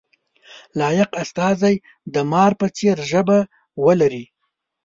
لایق استازی د مار په څېر ژبه ولري.